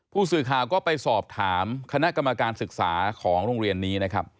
ผู้สื่อข่าวก็ไปสอบถามคณะกรรมการศึกษาของโรงเรียนนี้นะครับ